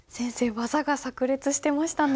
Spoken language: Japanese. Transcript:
技がさく裂してましたね。